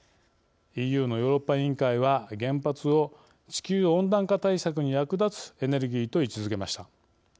ＥＵのヨーロッパ委員会は原発を地球温暖化対策に役立つエネルギーと位置づけました。